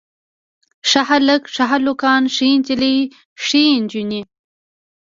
ښه هلک، ښه هلکان، ښه نجلۍ ښې نجونې.